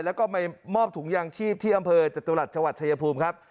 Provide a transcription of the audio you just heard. แล้วก็ไปมอบถุงยางชีพที่อำเภอจตุรัสจังหวัดชายภูมิครับ